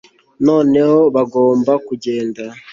noneho bagomba kugenda